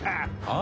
あ。